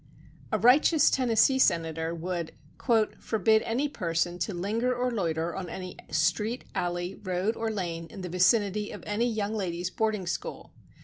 A righteous Tennessee senator would forbid any person to linger or loiter on any street, alley, road or lane in the vicinity of any young ladies' boarding school.